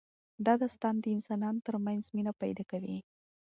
دا داستان د انسانانو ترمنځ مینه پیدا کوي.